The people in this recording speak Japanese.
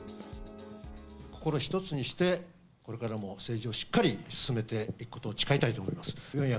心一つにして、これからも政治をしっかり進めていくことを誓いたいと思います。